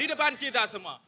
di depan kita semua